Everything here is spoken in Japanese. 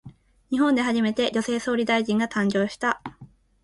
日本で初めて、女性総理大臣が誕生した。